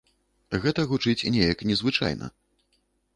Гэта гучыць неяк незвычайна.